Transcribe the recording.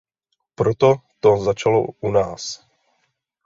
Proto to začalo u nás.